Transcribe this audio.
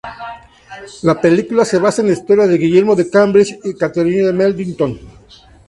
La película se basa en la historia de Guillermo de Cambridge y Catherine Middleton.